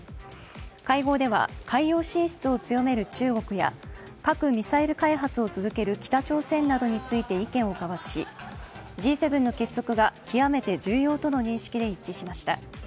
会合では、海洋進出を強める中国や核・ミサイル開発を続ける北朝鮮などについて意見を交わしＧ７の結束が極めて重要との認識で一致しました。